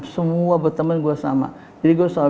semua berteman gue sama jadi gue selalu